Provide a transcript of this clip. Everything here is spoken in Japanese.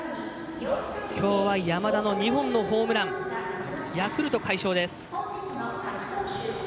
きょうは山田の２本のホームランヤクルト快勝です。